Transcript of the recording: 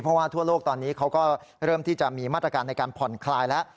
เพราะว่าทั่วโลกตอนนี้เขาก็เริ่มที่จะมีมาตรการในการผ่อนคลายแล้ว